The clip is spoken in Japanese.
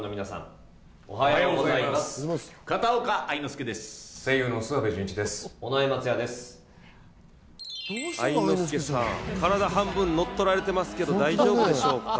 愛之助さん、体を半分乗っ取られてますけど大丈夫でしょうか？